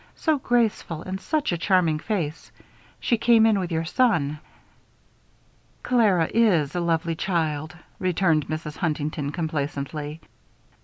So graceful and such a charming face. She came in with your son." "Clara is a lovely child," returned Mrs. Huntington, complacently.